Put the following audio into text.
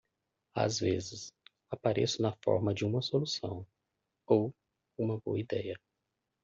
Às vezes, apareço na forma de uma solução? ou uma boa ideia.